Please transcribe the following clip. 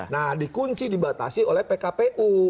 nah dikunci dibatasi oleh pkpu